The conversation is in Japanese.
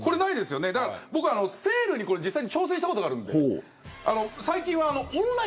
僕はセールに実際に挑戦したことがあるんで。